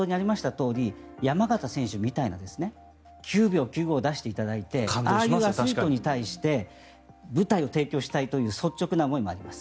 とおり山縣選手みたいな９秒９５を出していただいてああいうアスリートに対して舞台を提供したいという率直な思いもあります。